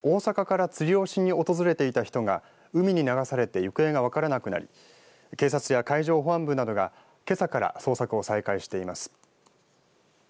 きのう美波町の海岸で大阪から釣りをしに訪れていた人が海に流されて行方が分からなくなり警察や海上保安部などがけさから捜索を再開しています。